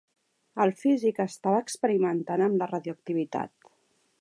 El físic estava experimentant amb la radioactivitat.